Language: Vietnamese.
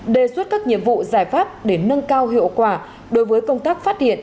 đề xuất các nhiệm vụ giải pháp để nâng cao hiệu quả đối với công tác phát hiện